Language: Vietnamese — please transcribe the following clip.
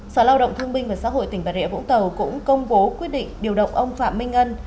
sở lao động thương binh và xã hội tỉnh bà rịa vũng tàu cũng công bố quyết định điều động ông phạm minh ngân